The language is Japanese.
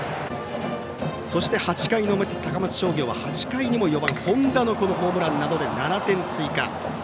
そして高松商業は８回にも４番本田のホームランなどで７点追加。